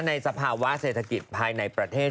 สภาวะเศรษฐกิจภายในประเทศ